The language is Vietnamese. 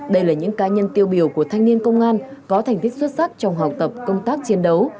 đây là những cá nhân tiêu biểu của thanh niên công an có thành tích xuất sắc trong học tập công tác chiến đấu